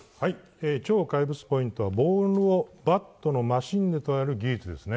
超怪物ポイントはボールをバットの真芯で捉える技術ですね。